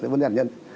vấn đề hạt nhân